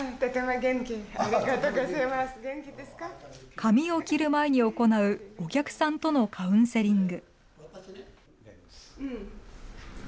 髪を切る前に行うお客さんとのカウンセリング。